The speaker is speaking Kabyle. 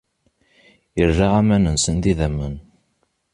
Irra aman-nsen d idammen.